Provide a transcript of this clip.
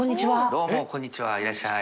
どうもこんにちはいらっしゃい。